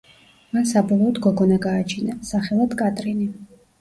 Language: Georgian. მან საბოლოოდ გოგონა გააჩინა, სახელად კატრინი.